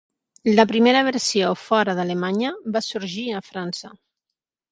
La primera versió fora d'Alemanya va sorgir a França.